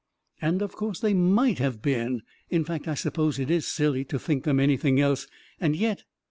And of course they might have been. In fact, I suppose it is silly to think them any thing else — and yet